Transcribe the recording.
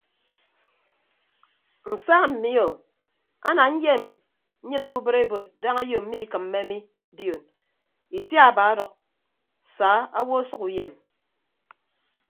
Nsa mi o ana nyem nyịn obubịd ebod daña ayo mmikịmme mi dion itiaba ọdʌk saa owo ọsʌk uyem.